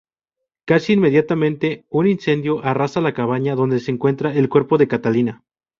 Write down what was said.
Casi inmediatamente un incendio arrasa la cabaña donde se encuentra el cuerpo de Catalina.